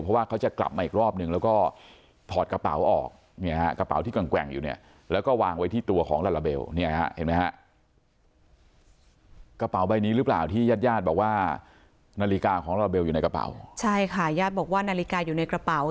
เพราะว่าเขาจะกลับมาอีกรอบหนึ่งแล้วก็ถอดกระเป๋าออกเนี่ยฮะ